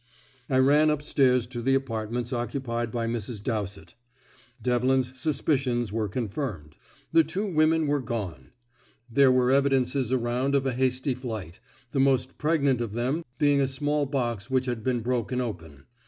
I ran up stairs to the apartments occupied by Mrs. Dowsett. Devlin's suspicions were confirmed. The two women were gone. There were evidences around of a hasty flight, the most pregnant of them being a small box which had been broken open.